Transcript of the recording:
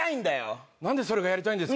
なんでそれがやりたいんですか？